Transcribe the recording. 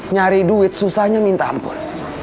nyari duit susahnya minta ampun